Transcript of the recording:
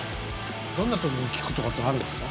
どんな時に聴くとかっていうのはあるんですか？